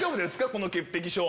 この潔癖症。